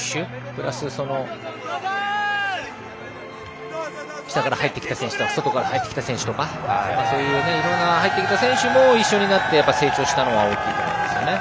プラス下から入ってきた選手とか外から入ってきた選手とかいろいろ入ってきた選手も一緒になって成長したのは大きいと思います。